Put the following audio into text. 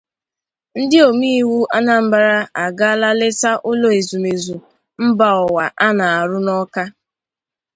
Ndị Omeiwu Anambra Agaala Leta Ụlọ Ezumeezu Mba Ụwa A Na-Arụ n'Awka